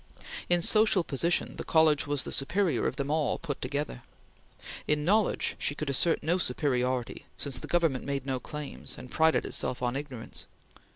In social position, the college was the superior of them all put together. In knowledge, she could assert no superiority, since the Government made no claims, and prided itself on ignorance.